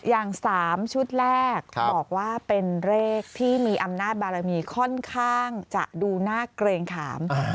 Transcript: อย่าง๓ชุดแรกบอกว่าเป็นเลขที่มีอำนาจบารมีค่อนข้างจะดูน่าเกรงขาม